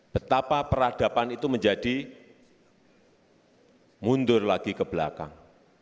betapa peradaban itu menjadi mundur lagi ke belakang